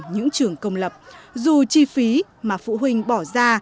những trường công lập dù chi phí mà phụ huynh bỏ ra